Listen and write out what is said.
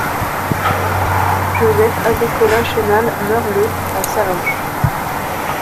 Joseph-Agricola Chenal meurt le à Sallanches.